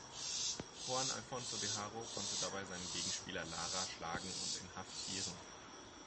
Juan Alfonso de Haro konnte dabei seinen Gegenspieler Lara schlagen und inhaftieren.